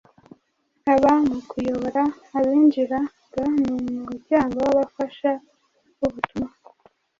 haba mu kuyobora abinjiraga mu muryango w’abafasha b’ubutumwa